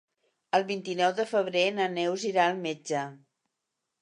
El vint-i-nou de febrer na Neus irà al metge.